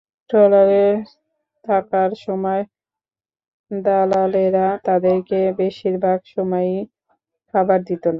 ট্রলারে থাকার সময় দালালেরা তাঁদেরকে বেশির ভাগ সময়ই খাবার দিত না।